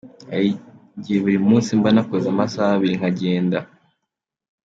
Hari igihe buri munsi mba nakoze amasaha abiri nkagenda".